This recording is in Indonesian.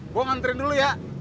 gue ngantriin dulu ya